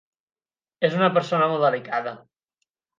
És una persona molt delicada.